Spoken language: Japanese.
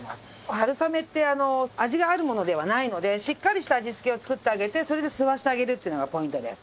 春雨ってあの味があるものではないのでしっかりした味つけを作ってあげてそれで吸わせてあげるっていうのがポイントです。